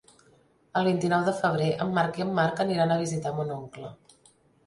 El vint-i-nou de febrer en Marc i en Marc aniran a visitar mon oncle.